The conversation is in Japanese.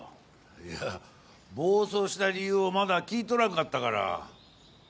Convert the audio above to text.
いや暴走した理由をまだ聞いとらんかったから。